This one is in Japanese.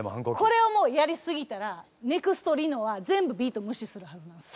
これをもうやりすぎたらネクスト梨乃は全部ビート無視するはずなんです。